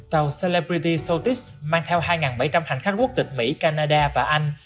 tàu celebrity soltis mang theo hai bảy trăm linh hành khách quốc tịch mỹ canada và anh